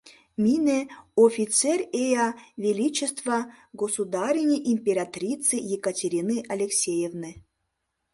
Мине — офицер ея величества государыни императрицы Екатерины Алексеевны.